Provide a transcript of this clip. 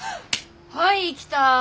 はい来た。